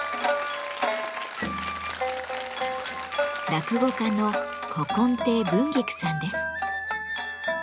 落語家の古今亭文菊さんです。